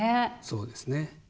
そうですね。